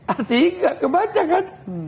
artinya enggak kebaca kan